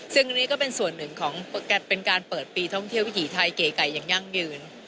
ซึ่งนี่ก็เป็นส่วนหนึ่งของเป็นการเปิดปีท่องเที่ยววิถีไทยเก๋ไก่อย่างยั่งยืน